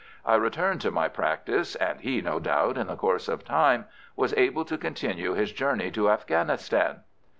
I returned to my practice, and he no doubt in the course of time was able to continue his journey to Afghanistan.